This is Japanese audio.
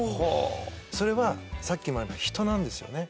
それはさっきの人なんですよね。